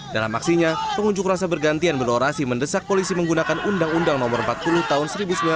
dalam aksinya pengunjuk rasa bergantian berorasi mendesak polisi menggunakan undang undang no empat puluh tahun seribu sembilan ratus sembilan puluh